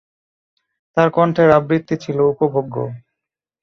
তার কণ্ঠের আবৃত্তি ছিল উপভোগ্য।